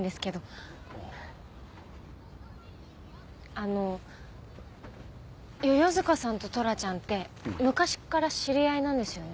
あの世々塚さんとトラちゃんって昔から知り合いなんですよね？